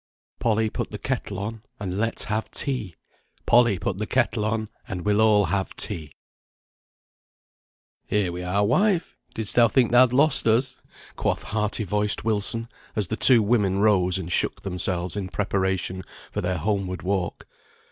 Polly, put the kettle on, And let's have tea! Polly, put the kettle on, And we'll all have tea. "Here we are, wife; didst thou think thou'd lost us?" quoth hearty voiced Wilson, as the two women rose and shook themselves in preparation for their homeward walk.